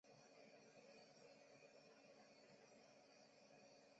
他在成化元年嗣封楚王。